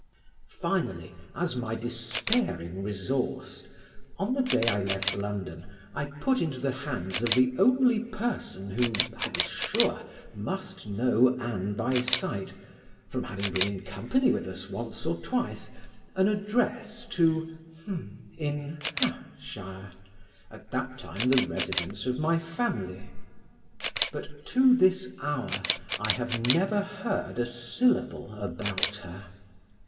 Finally as my despairing resource, on the day I left London I put into the hands of the only person who (I was sure) must know Ann by sight, from having been in company with us once or twice, an address to ——, in ——shire, at that time the residence of my family. But to this hour I have never heard a syllable about her.